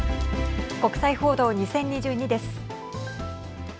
国際報道２０２２です。